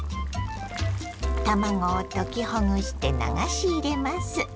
卵を溶きほぐして流し入れます。